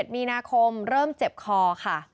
มีนาคมเริ่มเจ็บคอค่ะ